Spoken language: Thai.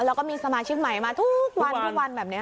แล้วก็มีสมาชิกใหม่มาทุกวันทุกวันแบบนี้